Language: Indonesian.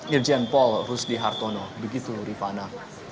mirjian paul ruzdi hartono begitu rifana